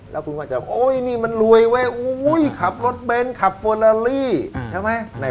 แล้วคุณก็อาจจะโอ๊ยนี่มันรวยไว้ขับรถเบนต์ขับเฟอร์โลลี